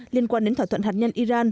liên quan đến thỏa thuận hạt nhân iran